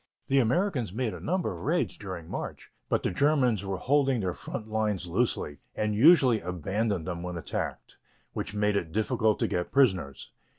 The Americans made a number of raids during March, but the Germans were holding their front lines loosely, and usually abandoned them when attacked, which made it difficult to get prisoners.